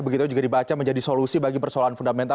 begitu juga dibaca menjadi solusi bagi persoalan fundamental